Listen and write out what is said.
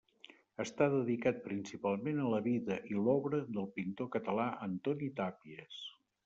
Està dedicat principalment a la vida i l'obra del pintor català Antoni Tàpies.